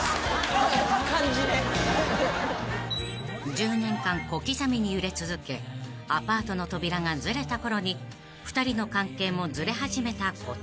［１０年間小刻みに揺れ続けアパートの扉がずれたころに２人の関係もずれ始めたこちらのエピソード］